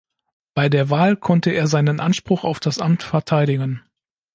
Bei der Wahl konnte er seinen Anspruch auf das Amt verteidigen.